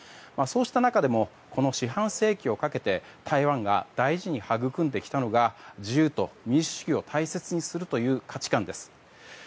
そうした中でもこの四半世紀かけて台湾が大事にはぐくんできたのが自由と民主主義を大切にするという価値観です。